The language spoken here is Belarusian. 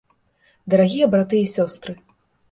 Дарагія браты і сёстры!